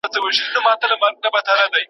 حقوقپوهان کله په ټاکنو کي ګډون کوي؟